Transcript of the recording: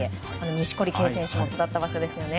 錦織圭選手も育った場所ですよね。